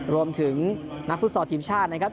รวมถึงนักฟุตซอลทีมชาตินะครับ